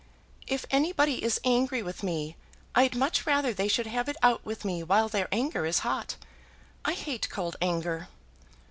"If anybody is angry with me I'd much rather they should have it out with me while their anger is hot. I hate cold anger."